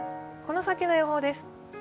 この先の予報です。